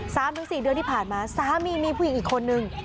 สามถึงสี่เดือนที่ผ่านมาสามีมีผู้หญิงอีกคนนึง